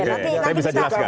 saya bisa jelaskan